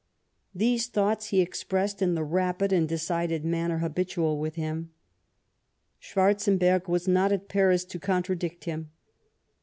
These thoughts he expressed in the rapid and decided manner habitual with him. SchAvarzenberg was not at Paris to contradict him.